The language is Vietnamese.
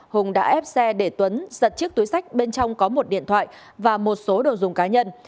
hùng đã ép xe để tuấn giật chiếc túi sách bên trong có một điện thoại và một số đồ dùng cá nhân